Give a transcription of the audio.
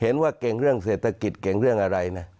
เห็นว่าเก่งเรื่องเศรษฐกิจเก่งเรื่องอะไรนะ